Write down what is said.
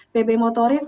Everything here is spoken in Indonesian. pb motoris untuk